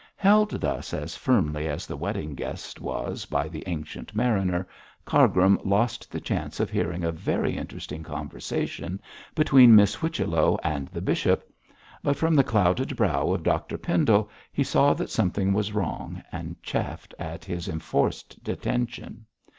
Held thus as firmly as the wedding guest was by the Ancient Mariner, Cargrim lost the chance of hearing a very interesting conversation between Miss Whichello and the bishop; but, from the clouded brow of Dr Pendle, he saw that something was wrong, and chafed at his enforced detention.